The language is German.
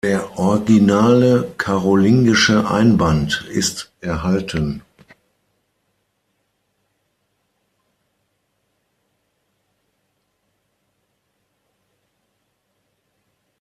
Der originale karolingische Einband ist erhalten.